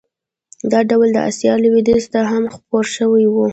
دا ډول د اسیا لوېدیځ ته هم خپور شوی و.